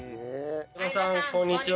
相葉さんこんにちは。